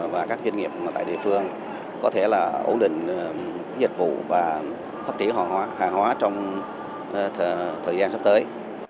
và các doanh nghiệp tại địa phương có thể ổn định dịch vụ và phát triển hòa hóa trong thời gian sắp tới